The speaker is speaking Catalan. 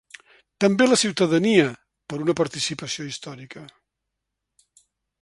També la ciutadania per una participació històrica.